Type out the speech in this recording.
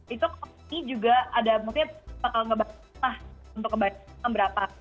itu pasti juga ada maksudnya bakal ngebahas untuk kebanyakannya berapa